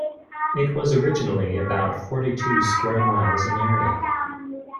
It was originally about forty-two square miles in area.